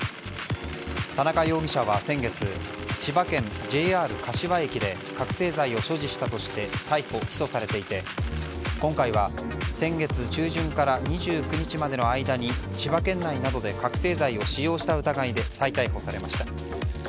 田中容疑者は先月千葉県ＪＲ柏駅で覚醒剤を所持したとして逮捕・起訴されていて今回は先月中旬から２９日までの間に千葉県内などで覚醒剤を使用した疑いで再逮捕されました。